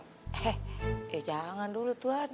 eh ya jangan dulu tuhan